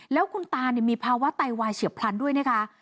แล้วคุณตามีภาวะไตวายเฉียบพลันด้วยนะคะ